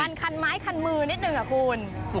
คันไม้คันมือนิดนึงอะคุณ